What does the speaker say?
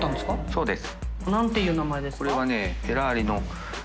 そうです。